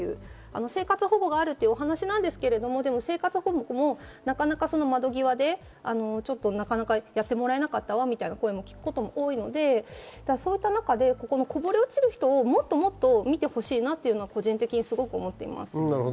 生活保護があるという話ですが、生活保護もなかなかその窓際でやってもらえなかったわという声も聞くことがあるので、そういった中でこぼれ落ちる人をもっともっと見てほしいなと個人的には思っています。